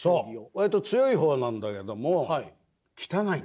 割と強いほうなんだけども汚い。